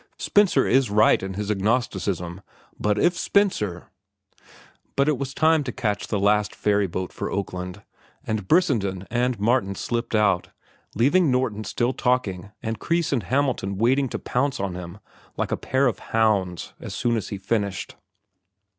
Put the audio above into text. Spencer is right in his agnosticism, but if Spencer—" But it was time to catch the last ferry boat for Oakland, and Brissenden and Martin slipped out, leaving Norton still talking and Kreis and Hamilton waiting to pounce on him like a pair of hounds as soon as he finished.